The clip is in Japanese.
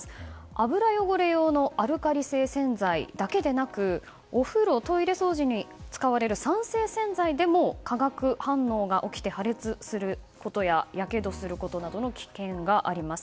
油汚れ用のアルカリ性洗剤だけでなくお風呂、トイレ掃除に使われる酸性洗剤でも化学反応が起きて破裂することややけどすることなどの危険があります。